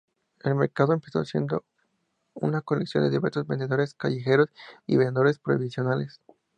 El mercado empezó siendo una colección de diversos vendedores callejeros y de vendedores provisionales.